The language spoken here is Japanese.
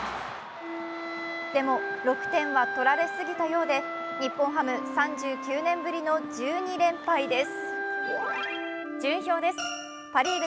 でも６点は取られすぎたようで日本ハム、３９年ぶりの１２連敗です。